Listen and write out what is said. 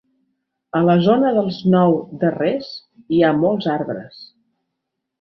A la zona dels nou darrers hi ha molts arbres.